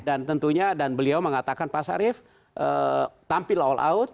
dan tentunya dan beliau mengatakan pak sarif tampil all out